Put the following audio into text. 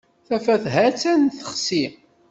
Tafat ha-tt-an texsi.